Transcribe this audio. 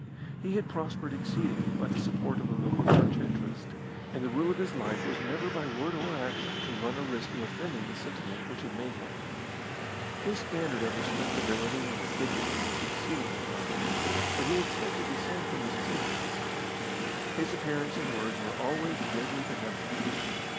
He had prospered exceedingly by the support of the local Church interest, and the rule of his life was never by word or action to run a risk of offending the sentiment which had made him. His standard of respectability and of dignity was exceedingly high, and he expected the same from his assistants. His appearance and words were always vaguely benevolent.